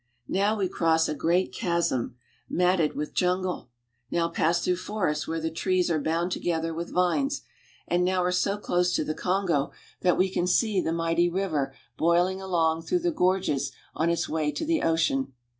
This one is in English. Now we cross a great chasm matted I LIFE urON THE KONGO 231 with jungle, now pass through forests where the trees are bound together with vines, and now are so close to the Kongo that we can see the mighty river boiling along through the gorges on its way to the ocean.